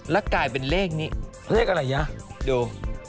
แล้วกลายเป็นเลขนี้เลขอะไรยะดู